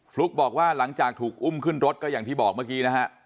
ลุ๊กบอกว่าหลังจากถูกอุ้มขึ้นรถก็อย่างที่บอกเมื่อกี้นะฮะ